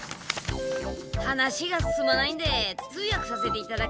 話が進まないんで通訳させていただきます。